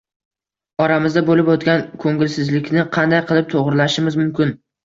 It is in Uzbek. Oramizda bo‘lib o‘tgan ko‘ngilsizlikni qanday qilib to‘g‘irlashimiz mumkin?